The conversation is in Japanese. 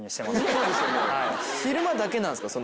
昼間だけなんすか？